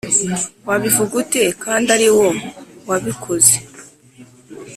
wabivuga ute kandi ariwo wabikoze?